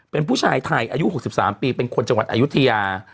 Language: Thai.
เป็นผู้ชายไทยอายุ๖๓ปีเป็นคนจังหวัดอายุทยา